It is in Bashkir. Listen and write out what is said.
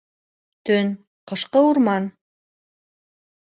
Төн, ҡышҡы урман.